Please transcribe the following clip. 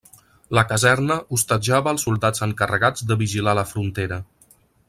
La caserna hostatjava els soldats encarregats de vigilar la frontera.